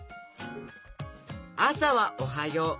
あさは「おはよう」。